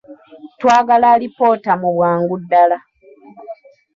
Twagala alipoota mu bwangu ddala.